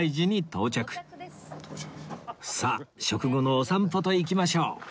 さあ食後のお散歩といきましょう